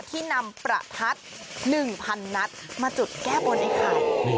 ที่นำประทัด๑๐๐๐นัดมาจุดแก้บนไอ้ไข่